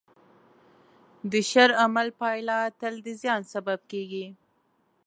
د شر عمل پایله تل د زیان سبب کېږي.